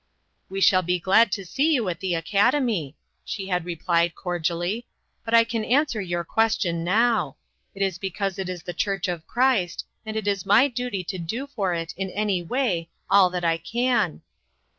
" We shall be glad to see you at the Academy," she had replied, cordially, "but I 1/8 INTERRUPTED. can answer your question now. It is because it is the church of Christ, and it is my duty to do for it in every way all that I can."